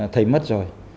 thầy mất rồi